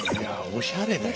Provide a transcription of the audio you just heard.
おしゃれだよね。